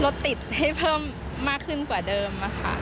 รถติดให้เพิ่มมากขึ้นกว่าเดิมค่ะ